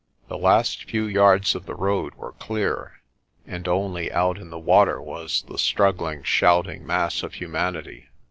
The last few yards of the road were clear, and only out in the water was the struggling shouting mass of humanity.